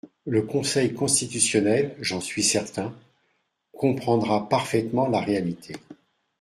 Le Conseil constitutionnel, j’en suis certain, comprendra parfaitement la réalité.